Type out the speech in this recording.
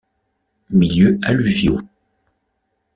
Milieux alluviaux.